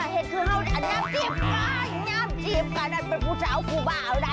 เห็นใช่ไหมน้ำจีบกล้า